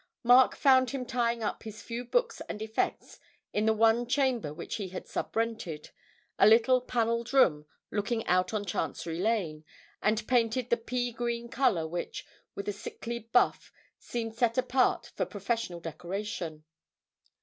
Mark found him tying up his few books and effects in the one chamber which he had sub rented, a little panelled room looking out on Chancery Lane, and painted the pea green colour which, with a sickly buff, seem set apart for professional decoration.